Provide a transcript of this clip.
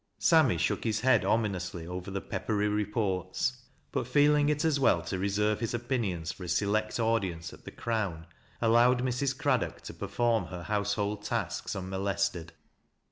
Sammy shook his head omi nously over the peppery reports, but feeling it as well to reserve his opinions for a select audience at The Crown, allowed Mrs. Craddock to perform her household tasks unmolested.